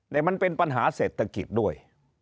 แต่มันเป็นปัญหาเศรษฐกิจด้วย